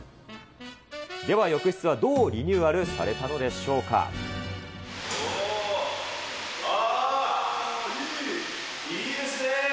では浴室はどうリニューアルされおー、うわー。いい。いいですね。